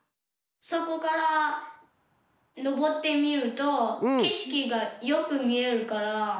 そこからのぼってみるとけしきがよくみえるから。